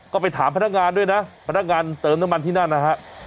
ก็ไปถามพนักงานด้วยนะพนักงานเติมน้ำมันที่นั่นนะฮะ